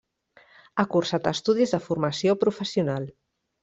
Ha cursat estudis de formació professional.